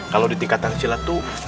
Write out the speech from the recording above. kalau di tingkatan silat itu